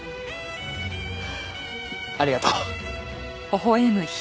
ありがとう。